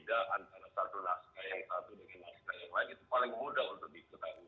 dan melakukan melalui atau tidak antara satu naskah yang satu dengan naskah yang lain itu paling mudah untuk diketahui